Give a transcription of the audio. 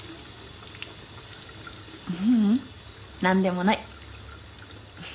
ううんなんでもない。